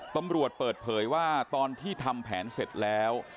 เปิดเผยว่าตอนที่ทำแผนเสร็จแล้ว